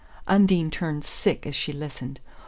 Undine turned sick as she listened.